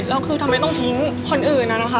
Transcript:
แล้วคือทำไมต้องทิ้งคนอื่นนะคะ